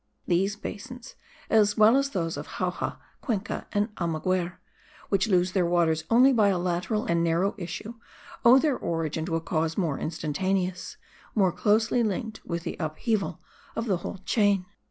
These basins, as well as those of Jauja, Cuenca and Almaguer, which lose their waters only by a lateral and narrow issue, owe their origin to a cause more instantaneous, more closely linked with the upheaving of the whole chain.